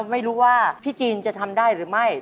ไม่รู้ว่าพี่จีนจะทำได้หรือไม่